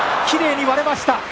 きれいに体が割れました。